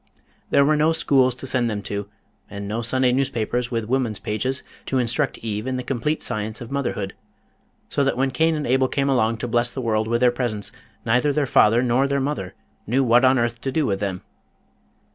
There were no schools to send them to, and no Sunday Newspapers with Woman's Pages to instruct Eve in the Complete Science of Motherhood, so that when Cain and Abel came along to bless the world with their presence, neither their father nor their mother knew what on earth to do with them.